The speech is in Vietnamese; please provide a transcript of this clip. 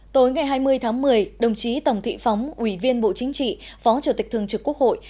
tối ngày hai mươi tháng một mươi đồng chí tổng thị phóng ủy viên bộ chính trị phó chủ tịch thường trực quốc hội